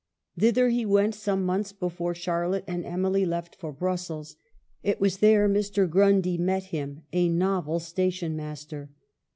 Thither he went some months before Charlotte and Emily left for Brussels. It was there Mr. Grundy met him ; a novel station master.